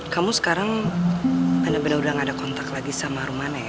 kamu sekarang benar benar udah gak ada kontak lagi sama romana ya